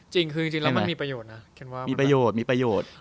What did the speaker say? จริงแล้วมันมีประโยชน์นะ